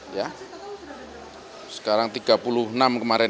berapa kaji kakak lu sudah berjualan